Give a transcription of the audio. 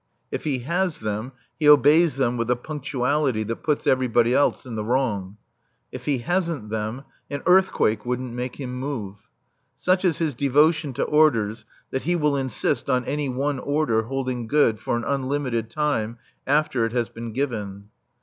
If he has them he obeys them with a punctuality that puts everybody else in the wrong. If he hasn't them, an earthquake wouldn't make him move. Such is his devotion to orders that he will insist on any one order holding good for an unlimited time after it has been given.